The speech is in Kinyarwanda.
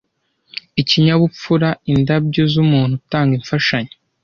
ikinyabupfura indabyo z'umuntu utanga imfashanyo